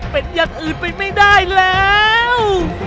เป็นอย่างอื่นไปไม่ได้แล้ว